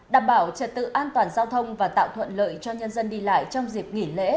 đảm bảo trật tự an toàn giao thông và tạo thuận lợi cho nhân dân đi lại trong dịp nghỉ lễ